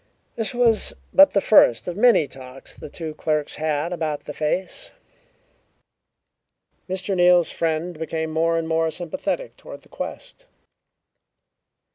This was but the first of many talks the two clerks had about the face. Mr. Neal's friend became more and more sympathetic toward the quest.